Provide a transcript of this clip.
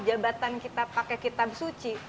jabatan kita pakai kitab suci